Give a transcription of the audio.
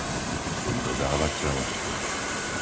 Subdodávateľ?